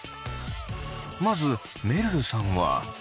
まずめるるさんは。